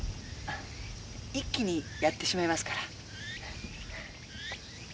一気にやってしまいますから。